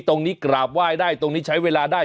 กราบไหว้ได้ตรงนี้ใช้เวลาได้